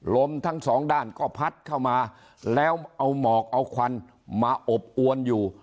ลมทั้งสองด้านก็พัดเข้ามาแล้วเอาหมอกเอาควันมาอบอวนอยู่